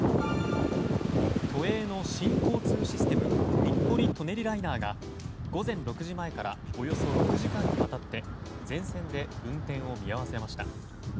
都営の新交通システム日暮里・舎人ライナーが午前６時前からおよそ６時間にわたって全線で運転を見合わせました。